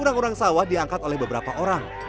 orang orang sawah diangkat oleh beberapa orang